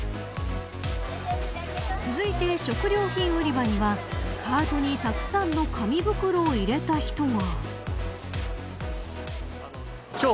続いて、食料品売り場にはカートにたくさんの紙袋を入れた人が。